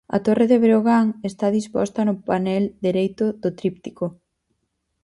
A Torre de Breogán está disposta no panel dereito do tríptico.